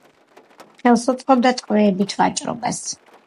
ხელს უწყობდა ტყვეებით ვაჭრობას.